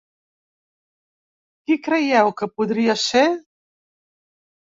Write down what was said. Qui creieu que podria ser?